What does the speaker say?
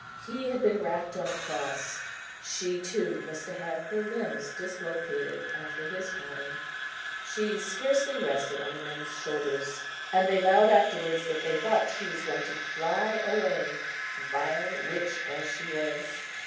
He had been racked on the Cross, she too was to have her limbs dislocated after His pattern. She scarcely rested on the men's shoulders; and they vowed afterwards that they thought she was going to fly away, vile witch as she was.